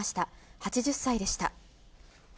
８０歳でした。